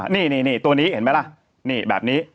นี่ตัวนี้เห็นไหมล่ะนี่แบบนี้